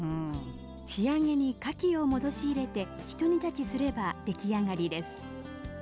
仕上げにかきを戻し入れてひと煮立ちすれば出来上がりです。